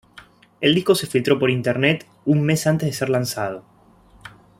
El disco se filtró por internet un mes antes de ser lanzado.